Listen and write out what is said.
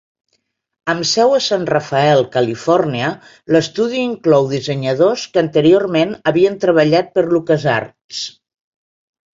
Amb seu a San Rafael, Califòrnia, l'estudi inclou dissenyadors que anteriorment havien treballat per LucasArts.